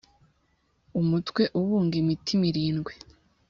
Umutwe ubunga imitima irindwi